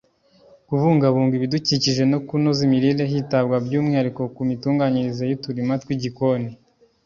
kubungabunga ibidukikije no kunoza imirire hitabwa by’umwihariko ku mitunganyirize y’uturima tw’igikoni